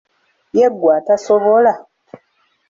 Yegwe atasobola!